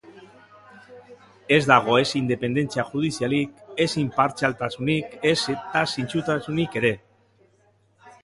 Ez dago ez independentzia judizialik, ez inpartzialtasunik, ezta zintzotasunik ere.